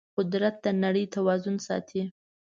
قدرت د نړۍ توازن ساتي.